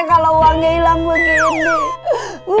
kalau uangnya hilang begini